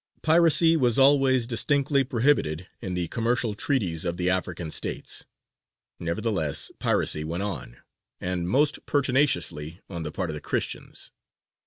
Piracy was always distinctly prohibited in the commercial treaties of the African States; nevertheless piracy went on, and most pertinaciously on the part of the Christians.